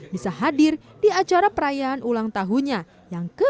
bisa hadir di acara perayaan ulang tahunnya yang ke tujuh puluh